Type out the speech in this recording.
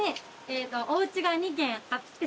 おうち２軒あって。